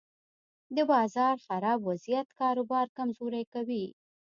د بازار خراب وضعیت کاروبار کمزوری کوي.